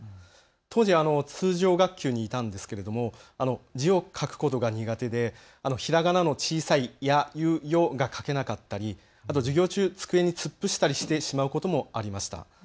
当時、通常学級にいたんですけど字を書くことが苦手でひらがなの小さいやゆよが書けなかったり、授業中机に突っ伏したりしてしまうこともありました。